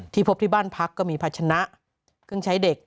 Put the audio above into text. ที่พบที่บ้านพักก็มีภัชนะกริงใช้เด็ก